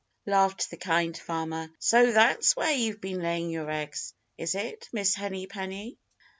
laughed the Kind Farmer. "So that's where you've been laying your eggs, is it, Miss Henny Penny?"